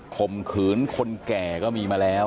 ข่มขืนคนแก่ก็มีมาแล้ว